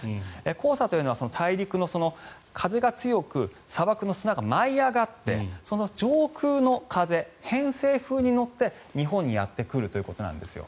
黄砂というのは大陸の風が強く砂漠の砂が舞い上がってその上空の風、偏西風に乗って日本にやってくるということなんですよ。